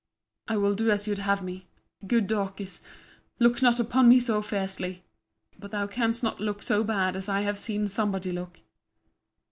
I will do as you'd have me—good Dorcas, look not upon me so fiercely—but thou canst not look so bad as I have seen somebody look.